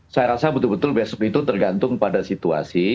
saya rasa betul betul besok itu tergantung pada situasi